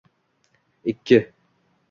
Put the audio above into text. Ikki